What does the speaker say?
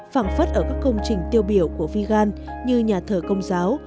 phẳng phất ở các công trình tiêu biểu của vigan như nhà thờ công giáo